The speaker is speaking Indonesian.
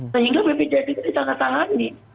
sehingga bpjs itu ditanggat tangani